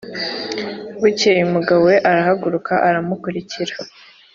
Bukeye umugabo we arahaguruka aramukurikira